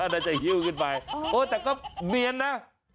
น่าจะหิ้วขึ้นไปโอ้แต่ก็เนียนนะ